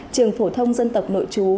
trường phổ thông dân tộc nội chú